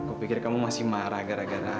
aku pikir kamu masih marah gara gara